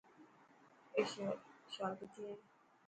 اي شال ڪٿي هي.